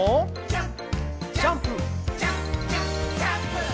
「ジャンプジャンプジャンプジャンプジャンプ」